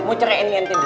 mau cerain yang tidur